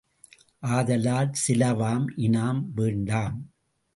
ஆதலால் சிலவாம் இனாம் வேண்டாம்.